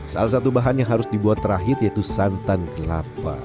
salah satu bahan yang harus dibuat terakhir yaitu santan kelapa